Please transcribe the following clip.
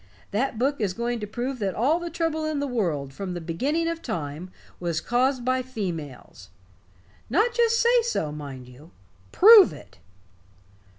That book is going to prove that all the trouble in the world, from the beginning of time, was caused by females. Not just say so, mind you. Prove it!"